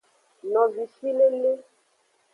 Novishilele.